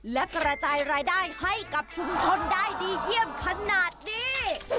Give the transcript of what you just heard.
และกระจายรายได้ให้กับชุมชนได้ดีเยี่ยมขนาดนี้